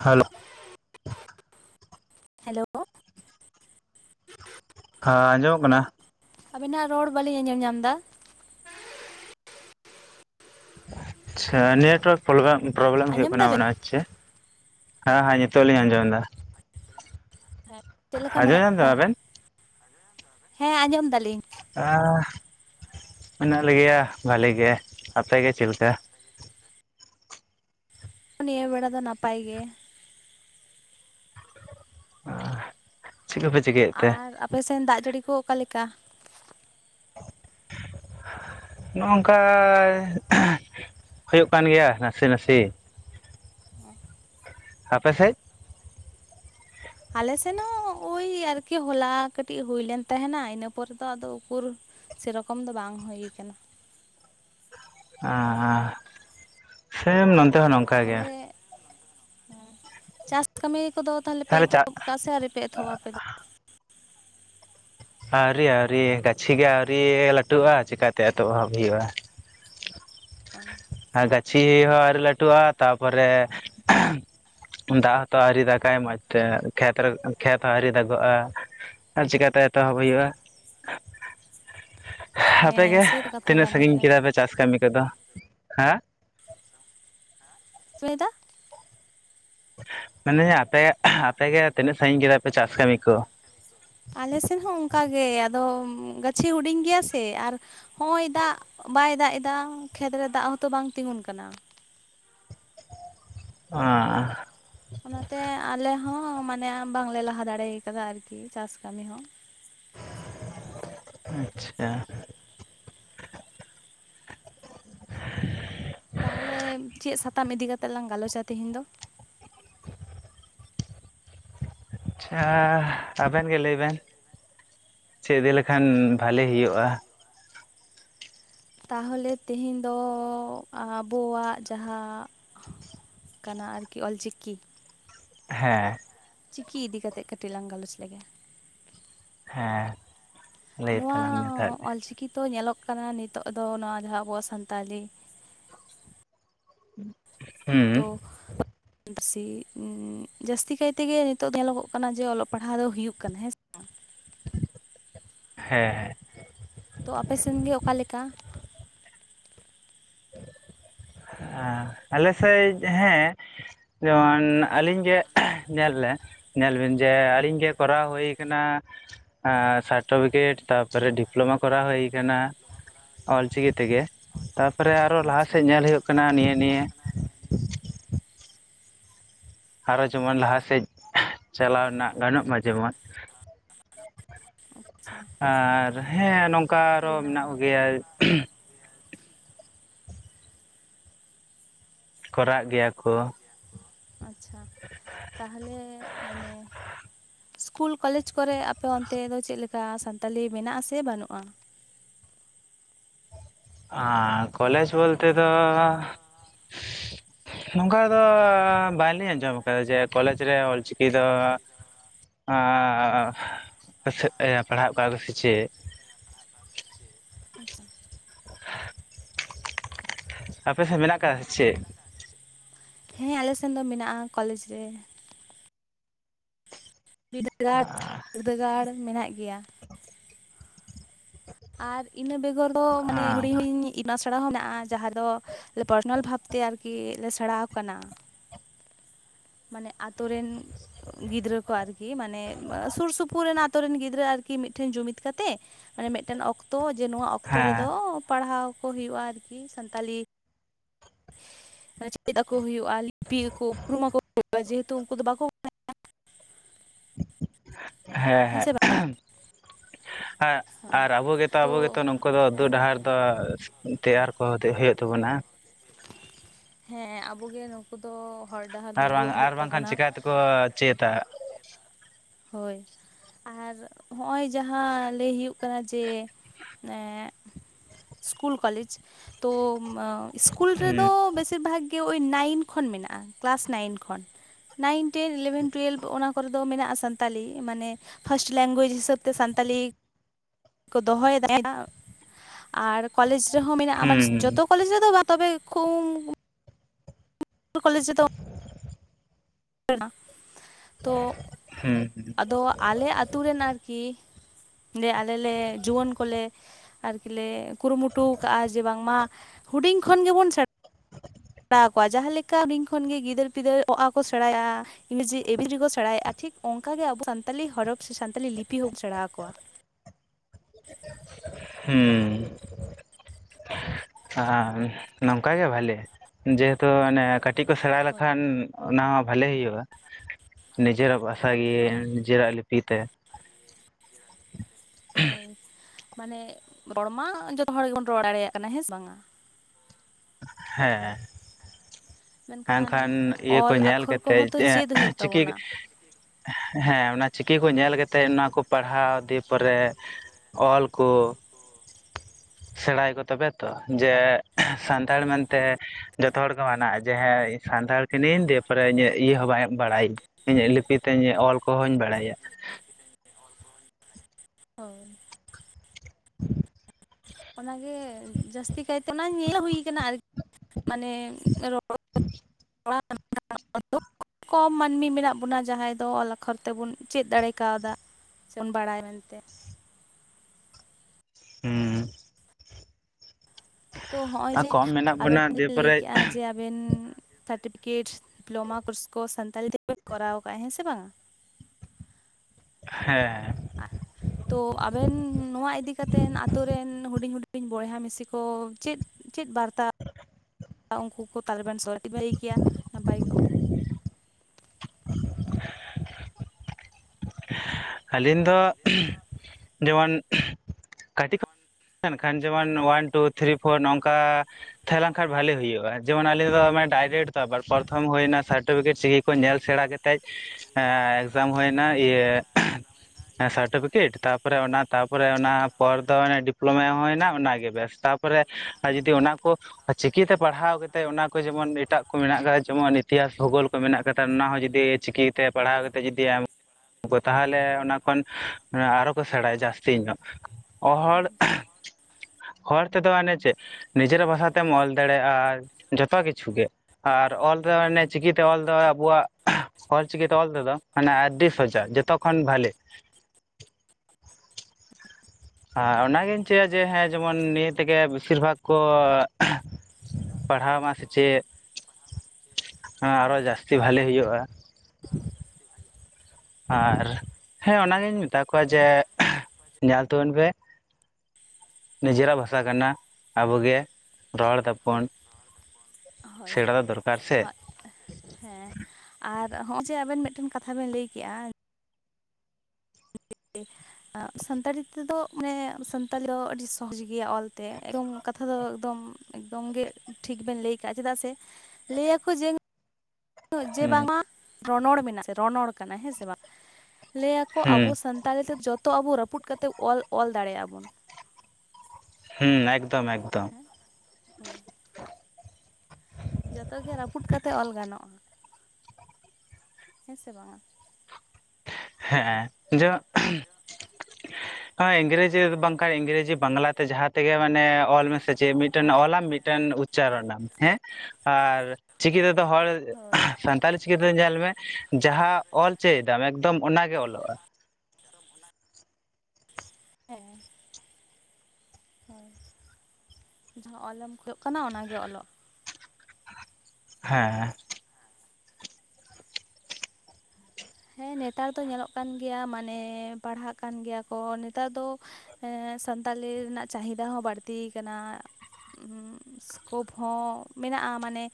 Hello. Hello. ᱦᱮᱸ ᱟᱸᱡᱚᱢᱚᱜ ᱠᱟᱱᱟ ᱟᱵᱤᱱᱟᱜ ᱨᱚᱲ ᱵᱟᱹᱞᱤᱧ ᱟᱸᱡᱚᱢ ᱧᱟᱢ ᱮᱫᱟ ᱟᱪᱪᱷᱟ ᱱᱮᱴᱳᱣᱟᱨᱠ ᱯᱚᱞᱵᱮᱢ ᱯᱨᱚᱵᱞᱮᱢ ᱦᱩᱭᱩᱜ ᱟᱸᱡᱚᱢ ᱠᱟᱱᱟ ᱫᱟᱵᱮᱱ ᱢᱚᱱᱮ ᱦᱚᱪᱪᱷᱮ ᱦᱮᱸ ᱦᱮᱸ ᱱᱤᱛᱳᱜ ᱞᱤᱧ ᱟᱸᱡᱚᱢ ᱮᱫᱟ ᱪᱮᱫ ᱞᱮᱠᱟ ᱟᱸᱡᱚᱢ ᱢᱮᱱᱟᱜ ᱧᱟᱢ ᱫᱟ ᱯᱮᱭᱟ ᱟᱡᱚᱢ ᱵᱮᱱ ᱧᱟᱢᱫᱟᱵᱮᱱ ᱟᱵᱤᱱ ᱦᱮᱸ ᱟᱸᱡᱚᱢ ᱫᱟᱞᱤᱧ ᱟ ᱢᱮᱱᱟᱜ ᱞᱮᱜᱮᱭᱟ ᱵᱟᱹᱞᱤ ᱜᱮ ᱟᱯᱮ ᱜᱮ ᱪᱮᱫᱮ ᱞᱮᱠᱟ ᱱᱤᱭᱟᱹ ᱵᱮᱲᱟ ᱫᱚ ᱱᱟᱯᱟᱭ ᱜᱮ ᱟᱻ ᱪᱮᱫᱠᱚᱯᱮ ᱪᱤᱠᱟ. ᱟᱨ ᱟᱯ ᱥᱮᱱ ᱫᱟᱜ ᱡᱟᱹᱲᱤ ᱠᱚ ᱚᱠᱟᱞᱮᱠᱟ? ᱱᱚᱜᱼᱝᱠᱟᱭ ᱦᱩᱭᱩᱜ ᱠᱟᱱ ᱜᱮᱭᱟ ᱱᱟᱥᱮ ᱱᱟᱥᱮ ᱟᱯᱮᱥᱮᱡ [inaudible] ᱟᱞ ᱥᱮᱱ ᱦᱚᱸ ᱳᱭ ᱟᱨᱠᱤ ᱦᱚᱞᱟ ᱠᱟᱹᱴᱤᱡ ᱦᱩᱭᱞᱱ ᱛᱟᱦᱮᱱᱟ ᱤᱱᱟᱹ ᱯᱚᱨᱮ ᱫᱚ ᱟᱫᱚ ᱩᱠᱩᱨ ᱥᱮᱨᱚᱠᱚᱢ ᱫᱚ ᱵᱟᱝ ᱦᱩᱭᱩ ᱟᱠᱟᱱᱟ ᱾ ᱟᱻ ᱥᱮᱢ ᱱᱟᱸ ᱼᱼ [unintelligible] ᱛᱟᱦᱚᱞᱮ ᱦᱮᱸ ᱪᱟᱥ ᱠᱟᱹᱢᱤ ᱠᱚᱫᱚ ᱛᱟᱦᱚᱞᱮ ᱮᱛᱚᱦᱚᱵ ᱟᱠᱟᱫ ᱟ ᱥᱮ ᱟᱨᱮᱯᱮ ᱮᱛᱚᱦᱚᱵ ᱟᱯᱮ ᱫᱚ ᱟᱹᱣᱨᱤ ᱟᱹᱣᱨᱤ ᱜᱟᱪᱷᱤ ᱜᱮ ᱟᱹᱣᱨᱤ ᱞᱟᱹᱴᱩᱜᱼᱟ ᱪᱮᱠᱟᱛᱮ ᱮᱛᱚᱦᱚᱵᱚᱦᱚᱵ ᱦᱩᱭᱩᱜᱼᱟ ᱾ ᱚᱸ ᱻ ᱟᱨ ᱜᱟᱪᱷᱤ ᱦᱚᱸ ᱟᱨᱤ ᱞᱟᱹᱴᱩᱜᱼᱟ ᱛᱟᱯᱚᱨᱮ ᱫᱟᱜ ᱦᱚᱸᱛᱚ ᱟᱹᱣᱨᱤ ᱫᱠᱟᱭ ᱢᱚᱡᱽ ᱛᱮ ᱠᱷᱮᱛᱨᱮ ᱠᱷᱮᱛ ᱦᱚᱸᱚᱸ ᱟ. ᱣᱨᱤ ᱫᱟᱜᱚᱜᱼᱟ ᱾ ᱟᱨ ᱪᱤᱠᱟᱛᱮ ᱮᱛᱚᱦᱚᱵ ᱦᱩᱭᱩᱜᱼᱟ ᱾ ᱦᱮᱸ ᱥᱮᱛᱚ ᱠᱟᱛᱷᱟ ᱛᱤᱱᱟᱹᱜ ᱠᱟᱱ ᱥᱟᱺᱜᱤᱧ ᱜᱮᱭᱟ ᱾ ᱠᱮᱫᱟ ᱯᱮ ᱪᱟᱥ ᱠᱟᱹᱢᱤ ᱠᱚᱫᱚ ᱦᱮᱸ ᱻ ᱾ ᱞᱮᱫᱟ ᱢᱟᱱᱮ ᱟᱯᱮ ᱟᱯᱮᱜᱮ ᱛᱤᱱᱟᱹᱜ ᱥᱟᱺᱟᱹᱜᱤᱧ ᱠᱮᱫᱟ ᱯᱮ ᱪᱟᱥ ᱠᱟᱹᱢᱤ ᱠᱚ ᱾ ᱟᱞᱮ ᱥᱮᱱ ᱦᱚᱸ ᱚᱱᱠᱟᱜᱮ ᱟᱫᱚ ᱜᱟᱹᱪᱷᱤ ᱦᱩᱰᱤᱧ ᱜᱮᱭᱟ ᱥᱮ ᱟᱨ ᱦᱚᱜᱭ ᱫᱟᱜ ᱵᱟᱭ ᱫᱟᱜ ᱮᱫᱟ ᱠᱷᱮᱛ ᱨᱮ ᱫᱟᱜ ᱦᱚᱸᱛᱚ ᱵᱟᱝ ᱛᱤᱜᱩᱱ ᱠᱟᱱᱟ ᱾ ᱟ ᱸᱻ ᱾ ᱚᱱᱟᱛᱮ ᱟᱞᱮ ᱦᱚᱸ ᱢᱟᱱᱮ ᱵᱟᱝᱞᱮ ᱞᱟᱦᱟ ᱫᱟᱲᱮ ᱠᱟᱫᱟ ᱟᱨᱠᱤ ᱪᱟᱥ ᱠᱟᱹᱢᱤ ᱦᱚᱸ ᱟᱪᱷᱟ ᱾ ᱛᱟᱦᱚᱞᱮ ᱪᱮᱫ ᱥᱟᱛᱟᱢ ᱤᱫᱤ ᱠᱟᱛᱮ ᱛᱟᱞᱟᱝ ᱜᱟᱞᱚᱪᱟ ᱛᱮᱤᱦᱤᱧ ᱫᱚ ᱟᱪᱷᱟ ᱟᱵᱮᱱ ᱜᱮ ᱞᱟᱹᱭ ᱵᱮᱱ ᱪᱮᱫ ᱤᱫᱤ ᱟᱪᱪᱷᱟ ᱞᱮᱠᱷᱟᱱ ᱵᱷᱟᱞᱮ ᱦᱩᱭᱩᱜᱼᱟ ᱾ ᱛᱟᱦᱚᱞᱮ ᱛᱮᱦᱤᱧ ᱫᱚ ᱟᱵᱚᱣᱟᱜ ᱡᱟᱦᱟᱸ ᱾ ᱠᱟᱱᱟ ᱟᱨᱠᱤ ᱚᱞᱪᱤᱠᱤ ᱦᱮᱸ ᱪᱤᱠᱤ ᱤᱫᱤ ᱠᱟᱛᱮᱫ ᱠᱟᱹᱴᱤᱡ ᱞᱟᱝ ᱜᱟᱞᱚᱪ ᱞᱮᱜᱮ ᱦᱮᱸ ᱞᱟᱹᱭ ᱱᱚᱣᱟ ᱛᱟᱞᱟᱝ ᱢᱮ ᱛᱟᱦᱚᱞᱮ ᱚᱞᱪᱤᱠᱤ ᱛᱚ ᱧᱮᱞᱚᱜ ᱠᱟᱱᱟ ᱱᱤᱛᱚᱜ ᱫᱚ ᱱᱚᱣᱟ ᱡᱟᱦᱟᱸ ᱟᱵᱚᱣᱟᱜ ᱥᱟᱱᱛᱟᱞᱤ ᱦᱩᱜ [inaudible] ᱛᱚ ᱯᱟᱹᱨᱥᱤ ᱡᱟᱹᱥᱛᱤ ᱠᱟᱭ ᱛᱮᱜᱮ ᱱᱤᱛᱚᱜ ᱧᱮᱞᱚᱜᱚᱜ ᱠᱟᱱᱟ ᱡᱮ ᱚᱞᱚᱜ ᱯᱟᱲᱦᱟᱣ ᱫᱚ ᱦᱩᱭᱩᱜ ᱠᱟᱱᱟ ᱦᱮᱸ ᱥᱮ ᱦᱮᱸ ᱦᱮᱸ ᱛᱚ ᱟᱯᱮᱥᱮᱱ ᱜᱮ ᱚᱠᱟᱞᱮᱠᱟ ᱾ [inaudible] ᱟᱞᱮ ᱥᱮᱫ ᱦᱮᱸ ᱡᱮᱢᱚᱱ ᱟᱹᱞᱤᱧ ᱜᱮ ᱧᱮᱞ ᱞᱮ ᱧᱮᱞ ᱵᱤᱱ ᱡᱮ ᱟᱹᱞᱤᱧ ᱜᱮ ᱠᱚᱨᱟᱣ ᱦᱩᱭ ᱠᱟᱱᱟ ᱾ ᱮ ᱥᱟᱨᱴᱤᱚᱯᱷᱤᱠᱮᱴ ᱛᱟᱨᱯᱚᱨᱮ ᱰᱤᱯᱞᱳᱢᱟ ᱠᱚᱨᱟᱣ ᱦᱩᱭ ᱟᱠᱟᱱᱟ ᱾ ᱚᱞᱪᱤᱠᱤ ᱛᱮᱜᱮ ᱛᱟᱯᱚᱨᱮ ᱟᱨᱚ ᱟᱪᱪᱷᱟ ᱞᱟᱦᱟᱟᱥᱮᱫ ᱧᱮᱞ ᱦᱩᱭᱩᱜ ᱠᱟᱱᱟ ᱱᱤᱭᱟᱹ ᱱᱤᱭᱟᱹ ᱟᱨᱚ ᱡᱮᱢᱚᱱ ᱞᱟᱦᱟᱥᱮᱫ ᱪᱟᱞᱟᱣ ᱨᱮᱱᱟᱜ ᱜᱟᱱᱚᱜ ᱢᱟ ᱡᱮᱢᱚᱱ ᱟᱪᱷᱟ ᱟᱨ ᱦᱮᱸ ᱱᱚᱝᱠᱟ ᱟᱨᱚ ᱢᱮᱱᱟᱜ ᱱᱟᱯᱟᱭ ᱠᱚᱜᱮᱭᱟ ᱾ ᱠᱚᱨᱟᱜ ᱜᱮᱭᱟ ᱠᱚ ᱾ ᱟᱪᱷᱟ ᱛᱟᱦᱚᱞᱮ ᱢᱟᱱᱮ ᱤᱥᱠᱩᱞ ᱠᱚᱞᱮᱡᱽ ᱠᱚᱨᱮ ᱟᱯᱮ ᱚᱱᱛᱮ ᱫᱚ ᱪᱮᱫ ᱞᱮᱠᱟ ᱥᱟᱱᱛᱟᱞᱤ ᱢᱮᱱᱟᱜ ᱟᱥᱮ ᱵᱟᱹᱱᱩᱜᱼᱟ ᱾ ᱟᱸ ᱠᱚᱞᱮᱡᱽ ᱵᱚᱞᱛᱮ ᱫᱚ [inaudible] ᱱᱚᱝᱠᱟ ᱫᱚ ᱵᱟᱞᱤᱧ ᱟᱸᱡᱚᱢ ᱟᱠᱟᱫᱟ ᱡᱮ ᱠᱚᱞᱮᱡᱽ ᱨᱮ ᱚᱞᱪᱤᱠᱤ ᱫᱚ [unintelligible] ᱯᱟᱥᱮᱡ ᱯᱟᱲᱦᱟᱜ ᱮᱫᱠᱚᱣᱟ ᱠᱚ ᱥᱮ ᱪᱮᱫ ᱮᱸ ᱯᱟᱲᱦᱟᱣ ᱮᱫᱠᱚᱣᱟ ᱠᱚ ᱥᱮ ᱪᱮᱫ [unintelligible] ᱟᱯᱮ ᱥᱮᱫ ᱢᱮᱱᱟᱜ ᱟᱠᱟᱫᱟ ᱥᱮ ᱪᱮᱫ ᱦᱮᱸ ᱟᱞᱮᱥᱮᱱ ᱫᱚ ᱢᱮᱱᱟᱜᱼᱟ ᱠᱚᱞᱮᱡᱽ ᱨᱮ [unintelligible] ᱵᱤᱨᱫᱟᱹᱜᱟᱲ ᱢᱮᱱᱟᱜ ᱜᱮᱭᱟ ᱟᱨ ᱤᱱᱟᱹ ᱵᱮᱜᱚᱨ ᱦᱚᱸ ᱢᱟᱱᱮ ᱦᱩᱰᱤᱧ ᱦᱩᱰᱤᱧ ᱧᱤᱜ ᱤᱢᱟ ᱥᱮᱬᱟ ᱦᱚᱸ ᱢᱮᱱᱟᱜᱼᱟ ᱡᱟᱦᱟᱸ ᱨᱮᱫᱚ ᱯᱟᱨᱥᱚᱱᱟᱞ ᱵᱷᱟᱵᱽ ᱛᱮ ᱟᱨᱠᱤ ᱞᱮ ᱥᱮᱬᱟᱣ ᱟᱠᱟᱱᱟ ᱢᱟᱱᱮ ᱟᱛᱳ ᱨᱮᱱ ᱜᱤᱫᱽᱨᱟᱹ ᱠᱚ ᱟᱨᱠᱤ ᱢᱟᱱᱮ ᱥᱩᱨ ᱥᱩᱯᱩᱨ ᱨᱮᱱ ᱟᱹᱛᱩ ᱨᱮᱱ ᱜᱤᱫᱽᱨᱟᱹ ᱟᱨᱠᱤ ᱢᱤᱫᱴᱷᱮᱱ ᱡᱩᱢᱤᱫᱽ ᱠᱟᱛᱮ ᱢᱟᱱᱮ ᱢᱤᱫᱴᱮᱱ ᱚᱠᱛᱚ ᱡᱮ ᱱᱚᱶᱟ ᱚᱠᱛᱚ ᱨᱮᱫᱚ ᱦᱮᱸ ᱯᱟᱲᱦᱟᱣ ᱠᱚ ᱦᱩᱭᱩᱜᱼᱟ ᱟᱨᱠᱤ ᱥᱟᱱᱛᱟᱞᱤ ᱢᱟᱱᱮ ᱪᱮᱫ ᱟᱠᱚ ᱦᱩᱭᱩᱜᱼᱟ ᱞᱤᱯᱤ ᱟᱠᱚ ᱩᱯᱨᱩᱢᱟᱠᱚ ᱦᱩᱭᱩᱜᱼᱟ ᱵᱟᱡᱮᱦᱮᱛᱩ ᱩᱱᱠᱩ ᱫᱚ ᱵᱟᱠᱚ ᱦᱮᱸ ᱦᱮᱸ ᱥᱮ ᱵᱟᱝ [unintelligible] ᱦᱳᱭ ᱟᱨ ᱟᱵᱚ ᱜᱮᱛᱚ ᱛᱚ ᱟᱵᱚ ᱜᱮᱛᱚ ᱱᱩᱝᱠᱩ ᱫᱚ ᱩᱫᱩᱜ ᱦᱮᱸ ᱰᱟᱦᱟᱨ ᱫᱚ ᱛᱮᱭᱟᱨ ᱠᱚ ᱦᱚᱛᱮ ᱦᱩᱭᱩᱜ ᱛᱟᱵᱚᱱᱟ᱾ ᱦᱮᱸ ᱟᱵᱚ ᱜᱮ ᱠᱩ ᱫᱚ ᱦᱚᱨ ᱰᱟᱦᱟᱨ ᱫᱚ ᱟᱨ ᱩᱫᱩᱜ ᱵᱟᱝ ᱟᱠᱚ ᱟᱨ ᱦᱩᱭᱩᱜ ᱵᱟᱝᱠᱷᱟᱱ ᱛᱟᱵᱚᱱᱟ ᱪᱮᱠᱟ ᱛᱮᱠᱚ ᱪᱮᱫᱟ ᱦᱳᱭ ᱟᱨ ᱦᱚᱸᱜ ᱚᱭ ᱡᱟᱦᱟᱸ ᱞᱟᱹᱭ ᱦᱩᱭᱩᱜ ᱠᱟᱱᱟ ᱡᱮ ᱮᱸᱻ ᱤᱥᱠᱩᱞ ᱠᱚᱞᱮᱡᱽ ᱛᱚ ᱤᱥᱠᱩᱞ ᱦᱩᱸ ᱨᱮᱫᱚ ᱵᱮᱥ ᱵᱷᱟᱜᱮ ᱳᱭ ᱱᱟᱭᱤᱱ ᱠᱷᱚᱱ ᱢᱮᱱᱟᱜᱼᱟ ᱠᱮᱞᱟᱥ ᱱᱟᱭᱤᱱ ᱠᱷᱚᱱ ᱱᱟᱭᱤᱱ ᱴᱮᱱ ᱤᱞᱮᱵᱷᱮᱱ ᱴᱩᱭᱮᱞᱵᱷ ᱚᱱᱟ ᱠᱚᱨᱮ ᱫᱚ ᱢᱮᱱᱟᱜᱼᱟ ᱥᱟᱱᱛᱟᱞᱤ ᱢᱟᱱᱮ ᱯᱷᱟᱥᱴ ᱞᱮᱝᱜᱩᱣᱮᱡᱽ ᱦᱤᱥᱟᱹᱵ ᱛᱮ ᱥᱟᱱᱛᱟᱞᱤ ᱠᱚ ᱫᱚᱦᱚᱭᱮᱫᱟ ᱟᱨ ᱠᱚᱞᱮᱡᱽ ᱨᱮᱦᱚᱸ ᱢᱮᱱᱟᱜᱼᱟ ᱢᱟᱸᱥ ᱦᱩᱸ ᱡᱚᱛᱚ ᱠᱚᱞᱮᱡᱽ ᱨᱮᱫᱚ ᱵᱟ ᱛᱚᱵᱮ ᱠᱷᱩᱢ ᱠᱚᱞᱮᱡᱽ ᱫᱚ [unintelligible] ᱛᱚ ᱦᱩᱸ ᱟᱫᱚ ᱟᱞᱮ ᱟᱹᱛᱩ ᱨᱮᱱ ᱟᱨᱠᱤ ᱚᱸᱰᱮ ᱟᱞᱮ ᱞᱮ ᱡᱩᱣᱟᱹᱱ ᱠᱚᱞᱮ ᱟᱨᱠᱤ ᱞᱮ ᱠᱩᱨᱩᱢᱩᱴᱩ ᱟᱠᱟᱫᱼᱟ ᱡᱮ ᱵᱟᱝᱢᱟ ᱦᱩᱰᱤᱧ ᱠᱷᱚᱱ ᱜᱮᱵᱚᱱ ᱥᱮᱬᱟ [inaudible] ᱥᱮᱬᱟ ᱟᱠᱚᱣᱟ ᱡᱟᱦᱟᱸ ᱞᱮᱠᱟ ᱵᱤᱝ ᱠᱷᱚᱱ ᱜᱮ ᱜᱤᱫᱟᱹᱨ ᱯᱤᱫᱟᱹᱨ ᱚ, ᱟ ᱠᱚ ᱥᱮᱬᱟᱭᱟ ᱤᱞᱤᱡᱤ ᱮᱵᱤᱡᱤ ᱠᱚ ᱥᱮᱬᱟᱭᱮᱜᱼᱟ ᱴᱷᱤᱠ ᱚᱝᱠᱟ ᱜᱮ ᱟᱵᱚ ᱥᱟᱱᱛᱟᱞᱤ ᱦᱚᱨᱚᱯ ᱥᱮ ᱥᱟᱱᱛᱟᱞᱤ ᱞᱤᱯᱤ ᱦᱚᱸᱵᱚᱱ ᱥᱮᱬᱟᱣ ᱟᱠᱚᱣᱟ ᱦᱮᱸ [unintelligible] ᱱᱚᱝᱠᱟ ᱜᱮ ᱵᱷᱟᱞᱮ ᱡᱮᱦᱮᱛᱩ ᱢᱟᱱᱮ ᱠᱟᱹᱴᱤᱡ ᱠᱚ ᱥᱮᱬᱟ ᱞᱮᱠᱷᱟᱱ ᱚᱱᱟ ᱦᱚᱸ ᱵᱷᱟᱞᱮ ᱦᱩᱭᱩᱜᱼᱟ ᱱᱤᱡᱮᱨᱟᱜ ᱵᱷᱟᱥᱟ ᱜᱮ ᱱᱤᱡᱮᱨᱟᱜ ᱞᱤᱯᱤ ᱛᱮ ᱦᱳᱭ ᱢᱟᱱᱮ ᱨᱚᱲ ᱢᱟ ᱡᱚᱛᱚ ᱦᱚᱲ ᱜᱮᱵᱚᱱ ᱨᱚᱲ ᱫᱟᱲᱮᱭᱟᱜ ᱠᱟᱱᱟ ᱦᱮᱸ ᱥᱮ ᱵᱟᱸᱜᱟ ᱦᱮᱸ ᱮᱱᱠᱷᱟᱱ ᱢᱮᱱᱠᱷᱟᱱ ᱤᱭᱟᱹ ᱠᱚ ᱚᱞ ᱧᱮᱞ ᱟᱠᱷᱚᱨ ᱠᱚᱦᱚᱸ ᱠᱟᱛᱮᱫ ᱛᱚ ᱮᱸ ᱪᱮᱫ ᱦᱩᱭᱩᱜ [unintelligible] ᱪᱤᱠᱤ ᱛᱟᱵᱚᱱᱟ ᱦᱮᱸ ᱚᱱᱟ ᱪᱤᱠᱤ ᱠᱚ ᱧᱮᱞ ᱠᱟᱛᱮᱜ ᱚᱱᱟᱠᱚ ᱯᱟᱲᱦᱟᱣ ᱫᱤᱭᱮ ᱯᱚᱨᱮ ᱚᱞ ᱠᱚ ᱥᱮᱬᱟᱭᱟ ᱠᱚ ᱛᱟᱵᱮ ᱛᱚ ᱡᱮ ᱥᱟᱱ ᱢᱮᱱᱛᱮ ᱡᱚᱛᱚ ᱦᱚᱲ ᱠᱚ ᱢᱟᱱᱟᱜᱼᱟ ᱡᱮ ᱦᱟᱹᱭ ᱥᱟᱱᱛᱟᱲ ᱠᱟᱹᱱᱟᱹᱧ ᱫᱤᱭᱮᱯᱚᱨᱮ ᱤᱧᱟᱹᱜ ᱤᱭᱟᱹ ᱦᱚᱸ ᱵᱟᱝ ᱵᱟᱲᱟᱭᱟᱹᱧ᱾ ᱤᱧᱟᱹᱜ ᱞᱤᱯᱤ ᱛᱮᱧ ᱚᱞ ᱠᱚᱦᱚᱧ ᱵᱟᱲᱟᱭᱟ᱾ [unintelligible] ᱦᱳᱭ ᱚᱱᱟᱜᱮ ᱡᱟᱹᱥᱛᱤ ᱠᱟᱭᱛᱮ ᱛᱮᱱᱟᱝ ᱧᱮᱞ ᱦᱩᱭ ᱟᱠᱟᱱᱟ ᱟᱨᱠᱤ ᱢᱟᱱᱮ [unintelligible] [unintelligible] ᱠᱚᱢ ᱢᱟᱹᱱᱢᱤ ᱢᱮᱱᱟᱜ ᱵᱚᱱᱟ ᱡᱟᱦᱟᱸᱭ ᱫᱚ ᱚᱞ ᱟᱠᱷᱚᱨ ᱛᱮᱵᱚᱱ ᱪᱮᱫ ᱫᱟᱲᱮ ᱠᱟᱣᱫᱟ᱾ ᱥᱮᱢ ᱵᱟᱲᱟᱭ ᱢᱮᱱᱛᱮ ᱦᱮᱸ ᱛᱚ ᱦᱚᱜᱼᱚᱭ ᱟᱨ ᱡᱮ ᱠᱚᱢ ᱢᱮᱱᱟᱜ ᱟᱵᱮᱱ ᱵᱚᱱᱟ ᱵᱤᱱ ᱞᱟᱹᱭ ᱫᱤᱭᱮᱯᱚᱨᱮ ᱠᱮᱫᱼᱟ ᱡᱮ ᱟᱵᱮᱱ ᱥᱟᱨᱴᱤᱯᱷᱤᱠᱮᱴ ᱰᱤᱯᱞᱳᱢᱟ ᱠᱳᱨᱥ ᱠᱚ ᱥᱟᱱᱛᱟᱲᱤ ᱛᱮᱵᱮᱱ ᱠᱚᱨᱟᱣ ᱟᱠᱟᱫᱼᱟ ᱦᱮᱸ ᱥᱮ ᱵᱟᱝᱟ᱾ ᱦᱮᱸ [unintelligible] ᱛᱚ ᱟᱵᱮᱱ ᱱᱚᱣᱟ ᱤᱫᱤ ᱠᱟᱛᱮᱱ ᱟᱛᱩ ᱨᱮᱱ ᱦᱩᱰᱤᱧ ᱦᱩᱰᱤᱧ ᱵᱚᱭᱦᱟ ᱢᱤᱥᱤ ᱠᱚ ᱪᱮᱫ ᱪᱮᱫ ᱵᱟᱨᱛᱟ ᱩᱱᱠᱩ ᱠᱚ ᱛᱟᱦᱞᱮ ᱵᱮᱱ ᱥᱚᱦᱞᱮ‌ ᱛᱮᱵᱤᱱ ᱞᱟᱹᱭ ᱠᱮᱭᱟ ᱱᱟᱯᱟᱭ ᱠᱚᱜ-ᱟ? ᱟᱹᱞᱤᱧ ᱫᱚ ᱡᱮᱢᱚᱱ ᱠᱟᱹᱴᱤᱡ ᱠᱷᱚᱱ ᱡᱮᱢᱚᱱ ᱳᱭᱟᱱ ᱴᱩ ᱛᱷᱨᱤ ᱯᱷᱳᱨ ᱱᱚ ᱱᱚᱝᱠᱟ ᱛᱟᱦᱮᱸᱞᱮᱱ ᱠᱷᱟᱱᱡ ᱵᱷᱷᱟᱞᱮ ᱦᱩᱭᱩᱜᱼᱟ ᱡᱮᱢᱚᱱ ᱟᱞᱤᱧ ᱫᱚ ᱰᱟᱭᱨᱮᱠᱴ ᱫᱚ ᱯᱨᱚᱛᱷᱚᱢ ᱦᱩᱭᱱᱟ ᱥᱟᱨᱴᱤᱯᱷᱤᱠᱮᱴ ᱥᱤᱴ᱾ ᱠᱚ ᱧᱮᱞ ᱥᱮᱬᱟ ᱠᱟᱛᱮᱫ ᱮᱠᱡᱟᱢ ᱦᱩᱭ ᱮᱱᱟ᱾ ᱥᱟᱨᱴᱤᱯᱷᱤᱠᱮᱴ ᱛᱟᱯᱚᱨᱮ ᱚᱱᱟ ᱛᱟᱯᱚᱨᱮ ᱚᱱᱟ ᱯᱚᱨ ᱫᱚ ᱰᱤᱯᱞᱳᱢᱟ᱾ ᱦᱩᱭᱱᱟ ᱚᱱᱟᱜᱮ ᱵᱮᱥ ᱛᱟᱯᱚᱨᱮ ᱟᱨ ᱡᱩᱫᱤ ᱚᱱᱟ ᱠᱚ ᱪᱤᱠᱤ ᱛᱮ ᱯᱟᱲᱦᱟᱣ ᱠᱟᱛᱮᱫ ᱚᱱᱟ ᱠᱚ ᱡᱮᱢᱚᱱ ᱮᱴᱟᱜ ᱢᱮᱱᱟᱜ ᱠᱟᱫᱟ ᱡᱮᱢᱚᱱ ᱤᱛᱤᱦᱟᱥ, ᱵᱷᱩᱜᱳᱞ, ᱠᱚ ᱢᱮᱱᱟᱜ ᱠᱟᱫᱟ ᱚᱱᱟ ᱦᱚᱸ ᱡᱩᱫᱤ ᱪᱤᱠᱤᱛᱮ ᱯᱟᱲᱦᱟᱣ ᱠᱟ ᱠᱟᱛᱮᱫ ᱡᱩᱫᱤ--ᱟᱢ ᱛᱟᱦᱚᱞᱮ ᱚᱱᱟ ᱠᱷᱚᱱ ᱟᱨ ᱦᱚᱸ ᱠᱚ ᱥᱮᱬᱟᱭᱟ ᱡᱟᱹᱥᱛᱤ ᱧᱚᱜ ᱚᱦᱚᱸᱲ ᱦᱩᱸ ᱦᱚᱲ ᱛᱮᱫᱚ ᱟᱱᱮ ᱪᱮᱫ ᱱᱤᱡᱮᱨᱟᱜ ᱵᱷᱟᱥᱟ ᱛᱮᱢ ᱚᱞ ᱫᱟᱲᱮᱭᱟᱜᱼᱟ ᱡᱷᱚᱛᱚ ᱠᱤᱪᱷᱩ ᱜᱮ᱾ ᱟᱨ ᱚᱞ ᱫᱚ ᱢᱟᱱᱮ ᱪᱤᱠᱤ ᱛᱮ ᱚᱞ ᱫᱚ ᱟᱵᱚᱣᱟᱜ ᱚᱞᱪᱤᱠᱤ ᱛᱮ ᱚᱞ ᱛᱮᱫᱚ ᱢᱟᱱᱮ ᱟᱹᱰᱤ ᱥᱚᱡᱟ ᱡᱷᱚᱛᱚ ᱠᱷᱚᱱ ᱵᱷᱟᱞᱮ᱾ ᱟᱨ ᱚᱱᱟᱜᱤᱧ ᱪᱟᱹᱭᱟ ᱡᱮ ᱦᱮᱸ ᱡᱮᱢᱚᱱ ᱱᱤᱭᱟᱹ ᱛᱮᱜᱮ ᱵᱮᱥᱤᱨ ᱵᱷᱟᱜᱽ ᱠᱚ ᱯᱟᱲᱦᱟᱣ ᱢᱟ ᱥᱮᱪᱮᱫ ᱟᱨ ᱦᱩᱸ ᱦᱚᱸ ᱡᱟᱹᱥᱛᱤ ᱵᱷᱟᱞᱮ ᱦᱩᱭᱩᱜᱼᱟ᱾ ᱦᱩᱸ ᱟᱨ ᱦᱮᱸ ᱚᱱᱟᱜᱤᱧ ᱢᱮᱛᱟ ᱠᱚᱣᱟ ᱡᱮ ᱧᱮᱞ ᱛᱟᱵᱚᱱ ᱯᱮ ᱱᱤᱡᱮᱨᱟᱜ ᱵᱷᱟᱥᱟ ᱠᱟᱱᱟ ᱟᱵᱚᱜᱮ ᱨᱚᱲ ᱛᱟᱵᱚ ᱯᱚᱱ ᱦᱳᱭ ᱦᱳᱭ ᱦᱳᱭ ᱥᱮᱬᱟ ᱫᱚ ᱫᱚᱨᱠᱟᱨ ᱥᱮ᱾ ᱦᱳᱭ ᱦᱮᱸ ᱟᱨ ᱦᱚᱸᱜᱼᱚᱭ ᱡᱮ ᱟᱵᱮᱱ ᱢᱤᱫᱴᱮᱱ ᱠᱟᱛᱷᱟ ᱵᱮᱱ ᱞᱟᱹᱭ ᱠᱮᱫᱼᱟ ᱥᱟᱱᱛᱟᱲᱤ ᱛᱮᱫᱚ ᱢᱟᱱᱮ ᱥᱟᱱᱛᱟᱲᱤ ᱫᱚ ᱟᱹᱰᱤ ᱥᱚᱦᱚᱡᱽ ᱜᱮᱭᱟ ᱚᱞᱛᱮ ᱮᱵᱚᱝ ᱠᱟᱛᱷᱟ ᱫᱚ ᱮᱠᱫᱚᱢ ᱮᱠᱫᱚᱢ ᱜᱮ ᱴᱷᱤᱠ ᱵᱮᱱ ᱞᱟᱹᱭ ᱠᱟᱜᱼᱟ ᱪᱮᱫᱟᱜ ᱥᱮ ᱞᱟᱹ ᱟᱠᱚ ᱡᱮ ᱡᱮ ᱦᱩᱸ ᱵᱟᱝᱢᱟ ᱨᱚᱱᱚᱲ ᱢᱮᱱᱟᱜ-ᱟ ᱨᱚᱱᱚᱲ ᱠᱟᱱᱟ ᱦᱮᱸ ᱥᱮ ᱵᱟᱝ ᱞᱟᱹᱭᱟᱠᱚ ᱦᱩᱸ ᱟᱵᱚ ᱥᱟᱱᱛᱟᱲᱤ ᱛᱮ ᱡᱚᱛᱚ ᱟᱵᱚ ᱨᱟᱹᱯᱩᱫ ᱠᱟᱛᱮ ᱚᱞ ᱚᱞ ᱫᱟᱲᱮᱭᱟᱜ ᱟᱵᱚᱱ ᱦᱩᱸ ᱮᱠᱫᱚᱢ ᱮᱠᱫᱚᱢ ᱾ ᱦᱮᱸ ᱦᱳᱭ ᱡᱚᱛᱚ ᱜᱮ ᱨᱟᱹᱯᱩᱫ ᱠᱟᱛᱮ ᱚᱞ ᱜᱟᱱᱚᱜᱼᱟ ᱦᱮᱸ ᱥᱮ ᱵᱟᱝᱼᱟ᱾ ᱦᱮᱸ ᱡᱮ [unintelligible] [unintelligible] ᱦᱮᱸ ᱤᱝᱨᱮᱡᱤ ᱵᱟᱝᱠᱷᱟᱱ ᱤᱝᱨᱮᱡᱤ ᱵᱟᱝᱞᱟᱛᱮ ᱡᱟᱦᱟᱸ ᱛᱮᱜᱮ ᱢᱟᱱᱮ ᱚᱞ ᱢᱮᱥᱮ ᱢᱤᱫᱴᱮᱱ ᱚᱞᱟᱢ ᱢᱤᱫᱴᱮᱱ ᱩᱪ ᱪᱟᱨᱚᱱᱟᱢ ᱦᱮᱸ ᱟᱨ ᱪᱤᱠᱤ ᱛᱮᱫᱚ ᱦᱚᱲ ᱦᱳᱭ ᱥᱟᱱᱛᱟᱞᱤ ᱪᱤᱠᱤ ᱫᱚ ᱧᱮᱞ ᱢᱮ‌ ᱡᱟᱦᱟᱸ ᱚᱞᱪᱚᱭ ᱫᱟᱢ ᱮᱠᱫᱚᱢ ᱚᱱᱟᱜᱮ ᱚᱞᱚᱜᱼᱟ᱾ ᱦᱮᱸ ᱦᱳᱭ ᱡᱟᱦᱟᱸ ᱚᱞᱮᱢ ᱠᱷᱚᱡᱽ ᱠᱟᱱᱟ ᱚᱱᱟᱜᱮ ᱚᱞᱚᱜ ᱦᱮᱸ ᱦᱮᱸ ᱱᱮᱛᱟᱨ ᱫᱚ ᱧᱮᱞᱚᱜ ᱠᱟᱱ ᱜᱮᱭᱟ ᱢᱟᱱᱮ ᱯᱟᱲᱦᱟᱜ ᱠᱟᱱ ᱜᱮᱭᱟ ᱠᱚ ᱱᱮᱛᱟᱨ ᱫᱚ ᱮᱸ ᱥᱟᱱᱛᱟᱞᱤ ᱨᱮᱱᱟᱜ ᱪᱟᱦᱤᱫᱟ ᱦᱚᱸ ᱵᱟᱹᱲᱛᱤ ᱟᱠᱟᱱᱟ᱾ ᱩᱸ ᱤᱥᱠᱳᱯ ᱦᱚᱸ ᱢᱮᱱᱟᱜ-ᱟ ᱢᱟᱱᱮᱼᱼ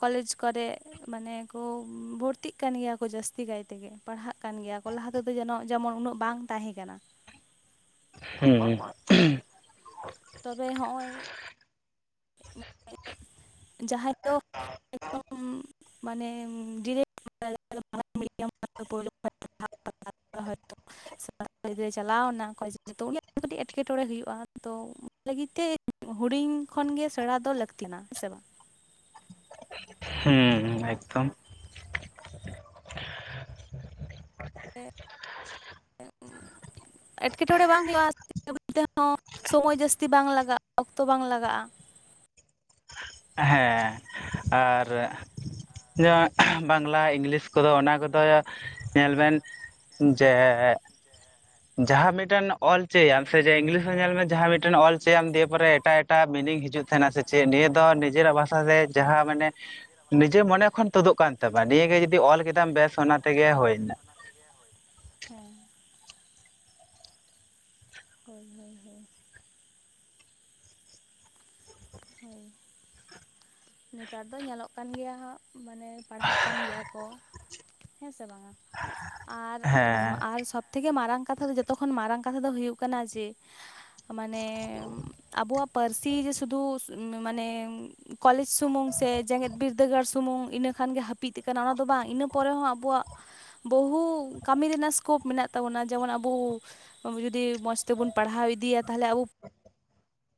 ᱠᱚᱞᱮᱡᱽ ᱠᱚᱨᱮ ᱢᱟᱱᱮ ᱠᱚ ᱵᱷᱚᱨᱛᱤᱜ ᱠᱟᱱ ᱜᱮᱭᱟ ᱠᱚ ᱡᱟᱹᱥᱼᱼ ᱛᱤ ᱠᱟᱭ ᱛᱮᱜᱮ ᱯᱟᱲᱦᱟᱜ ᱠᱟᱱ ᱜᱮᱭᱟ ᱠᱚ ᱞᱟᱦᱟ ᱛᱮᱫᱚ ᱡᱮᱱᱚ ᱡᱮᱢᱚᱱ ᱩᱱᱟᱹᱜ ᱵᱟᱝ ᱛᱟᱦᱮᱸ ᱠᱟᱱᱟ᱾ ᱦᱩᱸ ᱦᱩᱸᱜᱼᱼ ᱛᱚᱵᱮ ᱦᱚᱸᱜ-ᱚᱭᱼᱼ ᱢᱟᱱᱮ ᱡᱟᱦᱟᱸᱭ ᱫᱚ ᱮᱠᱫᱚᱢᱼᱼ ᱢᱟᱱᱮᱢ ᱡᱮᱞᱮ ᱠᱟᱜ-ᱟ ᱦᱚᱭᱛᱚ᱾ ᱥᱮ‌ ᱩᱱᱤ‌ ᱫᱚᱭ ᱪᱟᱞᱟᱣ ᱱᱟ ᱠᱚᱭ ᱡᱚ ᱛᱚ ᱩᱱᱤᱭᱟᱜ ᱜᱮ ᱛᱚ ᱠᱟᱹᱴᱤᱡ ᱮᱸᱠᱮᱴᱚᱬᱮ ᱦᱩᱭᱩᱜ-ᱟ ᱛᱚᱢᱼᱼ ᱞᱟᱹᱜᱤᱫ ᱛᱮ ᱦᱩᱰᱤᱧ ᱠᱷᱚᱱ ᱜᱮ ᱥᱮᱬᱟ ᱫᱚ ᱞᱟᱹᱠᱛᱤ ᱱᱟ ᱦᱮᱸ ᱥᱮ ᱵᱟᱝ? ᱦᱩᱸ ᱮᱠᱫᱚᱢ᱾ ᱮᱜ [unintelligible] ᱮᱴᱠᱮᱴᱚᱬᱮ ᱵᱟᱝ ᱦᱩᱭᱩᱜ-ᱟ [inaudible] ᱛᱮᱦᱚᱸ ᱥᱚᱢᱚᱭ ᱡᱟᱹᱥᱛᱤ ᱵᱟᱝ ᱞᱟᱜᱟᱜ ᱚᱠᱛᱚ ᱵᱟᱝ ᱞᱟᱜᱟᱜ-ᱟ᱾ ᱦᱮᱸ ᱟᱨ ᱡᱮᱢᱚᱱ ᱵᱟᱝᱜᱽᱞᱟ ᱤᱝᱜᱽᱞᱤᱥ ᱠᱚᱫᱚ ᱚᱱᱟ ᱠᱚᱫᱚ ᱧᱮᱞ ᱵᱮᱱ ᱡᱮᱜᱻ ᱡᱟᱦᱟᱸ ᱢᱤᱫᱴᱟᱱ ᱚᱞ ᱪᱩᱭᱟᱢ ᱥᱮ ᱡᱮ ᱤᱝᱜᱽᱞᱤᱥ ᱨᱮ ᱦᱚᱸ ᱧᱮᱞ ᱢᱮ ᱡᱟᱦᱟᱸ ᱢᱤᱫᱴᱮᱱ ᱚᱞ ᱪᱩᱭᱟᱢ ᱫᱤᱭᱮ ᱯᱚᱨᱮ ᱮᱴᱟᱜ ᱮ ᱴᱟ ᱢᱤᱱᱤᱝ ᱦᱤᱡᱩᱜ ᱛᱟᱦᱮᱱᱟ ᱥᱮ ᱪᱮᱜ ᱰᱷᱮᱨ ᱛᱚ ᱱᱤᱡᱮᱨᱟᱜ ᱵᱷᱟᱥᱟ ᱛᱮ ᱡᱟᱦᱟᱸ ᱢᱟᱱᱮ ᱱᱤᱡᱮᱨ ᱢᱚᱱᱮ ᱠᱷᱚᱱ ᱛᱳᱫᱜ ᱠᱟᱱ ᱛᱟᱢᱟ ᱱᱤᱭᱟᱹ ᱜᱮ ᱡᱩᱫᱤ ᱚᱞ ᱠᱮᱫᱟᱢ ᱵᱮᱥ ᱚᱱᱟ ᱛᱮᱜᱮ ᱦᱩᱭ ᱱᱟ᱾ [unintelligible] ᱦᱚᱭ ᱱᱮᱛᱟᱨ ᱫᱚ ᱧᱮᱞᱚᱜ ᱠᱟᱱ ᱜᱮᱭᱟ ᱦᱟᱸᱜ ᱢᱟᱱᱮ ᱯᱟᱲᱦᱟᱜ ᱠᱟᱱ ᱜᱮᱭᱟ ᱠᱚ ᱦᱮᱸᱥᱮ ᱵᱟᱝᱟ? ᱟᱨ ᱦᱮᱸ ᱟᱨ ᱥᱚᱯ ᱛᱷᱮᱠᱮ ᱢᱟᱨᱟᱝ ᱠᱟᱛᱷᱟ ᱫᱚ ᱡᱚᱛᱚ ᱠᱷᱚᱱ ᱢᱟᱨᱟᱝ ᱠᱟᱛᱷᱟ ᱫᱚ ᱦᱩᱭᱩᱜ ᱠᱟᱱᱟ ᱡᱮ ᱢᱟᱱᱮᱢ ᱟᱵᱚᱣᱟᱜ ᱯᱟᱹᱨᱥᱤ ᱡᱮ ᱥᱩᱫᱩᱥ ᱩᱢ ᱢᱟᱱᱮᱢ ᱠᱚᱞᱮᱪ ᱥᱩᱢᱩᱝ ᱥᱮ ᱡᱮᱝᱜᱮᱫ ᱵᱤᱨᱫᱟᱹ ᱜᱟᱲ ᱥᱩᱢᱩᱝ ᱤᱱᱟᱹ ᱠᱷᱟᱱ ᱜᱮ ᱦᱟᱹᱯᱤᱫ ᱟᱠᱟᱱᱟ ᱚᱱᱟ ᱫᱚ ᱵᱟᱝ ᱤᱱᱟᱹ ᱯᱚᱨᱮ ᱦᱚᱸ ᱟᱵᱚᱣᱟᱜ ᱵᱚᱦᱩ ᱠᱟᱢᱤ ᱨᱮᱱᱟᱜ ᱥᱠᱳᱯ ᱢᱮᱱᱟᱜ ᱛᱟᱵᱚᱱᱟ ᱡᱮᱢᱚᱱ ᱟᱵᱳ ᱟᱵᱩ ᱡᱩᱫᱤ ᱢᱚᱸᱥ ᱛᱮᱵᱩᱱ ᱯᱟᱲᱦᱟᱣ ᱤᱫᱤᱭᱟ ᱛᱟᱦᱚᱞᱮ ᱟᱵᱩ,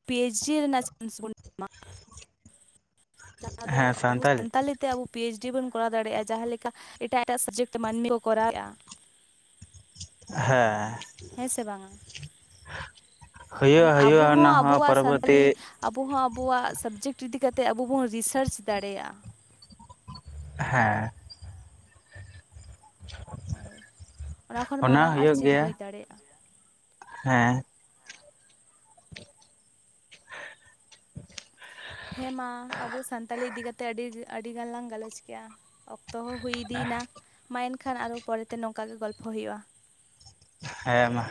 ᱯᱤ ᱮᱭᱤᱪ ᱰᱤ ᱨᱮᱱᱟᱜ ᱪᱟᱱᱥ ᱵᱩᱱ ᱡᱟᱦᱟᱸ ᱫᱚ ᱟᱵᱩ ᱥᱟᱱᱛᱟᱞᱤ ᱛᱮ ᱟᱵᱩ ᱯᱤ ᱭᱮᱪ ᱰᱤ ᱵᱚᱱ ᱠᱚᱨᱟᱣ ᱫᱟᱲᱮᱭᱟᱜ-ᱟ ᱡᱟᱦᱟᱸ ᱞᱮᱠᱟ ᱮᱴᱟᱜ ᱮᱴᱟᱜ ᱥᱟᱵᱡᱮᱠᱴ ᱛᱮ ᱢᱟᱹᱱᱢᱤ ᱠᱚᱨᱟᱣᱮᱜ-ᱟ᱾ ᱦᱮᱸ᱾ ᱦᱮᱸ ᱥᱮ ᱵᱟᱝᱟ, ᱦᱩᱭᱩᱜᱼᱟ ᱢᱟᱱᱮ ᱟᱵᱩ ᱦᱩᱭᱩᱜᱼᱟ ᱦᱚᱸ ᱚᱱᱟ ᱟᱵᱩᱣᱟᱜ ᱯᱚᱨᱚᱵᱚᱨᱛᱤ ᱥᱟᱱᱛᱟᱞᱤ ᱟᱵᱩ ᱦᱚᱸ ᱟᱵᱩᱣᱟᱜ ᱥᱟᱵᱽᱡᱮᱠᱴ ᱤᱫᱤ ᱠᱟᱛᱮᱜ ᱟᱵᱩ ᱵᱩᱱ ᱨᱤᱥᱟᱨᱪ ᱫᱟᱲᱮᱭᱟᱜ-ᱟ᱾ ᱦᱮᱸ᱾ [inaudible] ᱦᱚᱭ ᱚᱱᱟ ᱠᱷᱚᱱ ᱢᱟᱨᱟᱝ ᱟᱨ ᱦᱩᱭᱩᱜ ᱪᱤᱫᱽ ᱜᱮᱭᱟ ᱦᱩᱭ ᱫᱟᱲᱮᱜ ᱦᱮᱸ᱾ ᱦᱮᱸ ᱢᱟ ᱟᱵᱩ ᱥᱟᱱᱛᱟᱞᱤ ᱤᱫᱤ ᱠᱟᱛᱮᱜ ᱟᱹᱰᱤ ᱟᱹᱰᱤ ᱜᱟᱱ ᱞᱟᱝ ᱜᱟᱞᱚᱪ ᱠᱮᱜᱼᱟ ᱛᱚ ᱦᱚᱸ ᱦᱩᱭ ᱤᱫᱤᱭ ᱱᱟ ᱢᱟ ᱮᱱᱠᱷᱟᱱ ᱟᱨᱚ ᱯᱚᱨᱮ ᱛᱮ ᱱᱚᱝᱠᱟ ᱜᱮ ᱜᱚᱞᱯᱷᱚ ᱦᱩᱭᱩᱜ-ᱟ᱾ ᱦᱮᱸ ᱢᱟ᱾